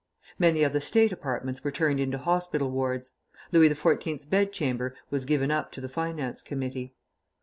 Many of the state apartments were turned into hospital wards. Louis XIV.'s bedchamber was given up to the finance committee.